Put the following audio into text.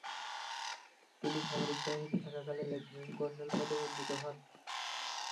তিনি সামরিক বাহিনীতে থাকাকালে লেফট্যানেন্ট-কর্নেল পদে উন্নীত হন।